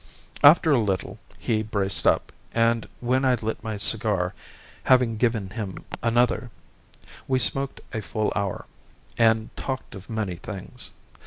After a little he braced up, and when I lit my cigar, having given him another, we smoked a full hour, and talked of many things.